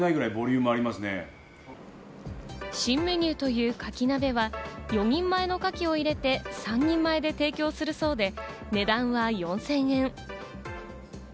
新メニューというカキ鍋は４人前のカキを入れて３人前で提供するそうで、値段は４０００円。